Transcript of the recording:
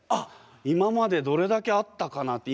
今までどれだけあったかなって。